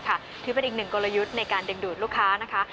ถือเป็นอีกหนึ่งกลยุทธ์ในการดึงดูดลูกค้านะคะ